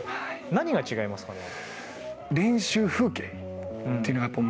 何が違いますかね。